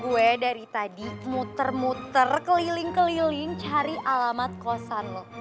gue dari tadi muter muter keliling keliling cari alamat kosan lo